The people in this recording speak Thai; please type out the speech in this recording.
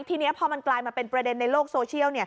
ทีนี้พอมันกลายมาเป็นประเด็นในโลกโซเชียล